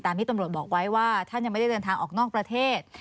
ที่ตำรวจบอกไว้ว่าท่านยังไม่ได้เดินทางออกนอกประเทศ